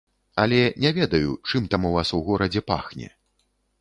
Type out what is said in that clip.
Але не ведаю, чым там у вас у горадзе пахне.